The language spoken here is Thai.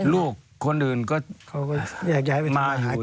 ลูกคนอื่นก็มาอยู่